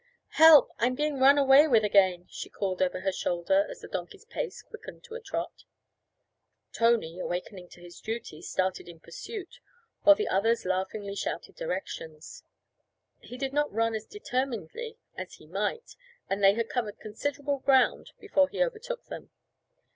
'Help! I'm being run away with again,' she called over her shoulder as the donkey's pace quickened into a trot. Tony, awakening to his duty, started in pursuit, while the others laughingly shouted directions. He did not run as determinedly as he might, and they had covered considerable ground before he overtook them.